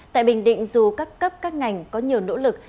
tại bình định dù các cấp các ngành có nhiều nỗ lực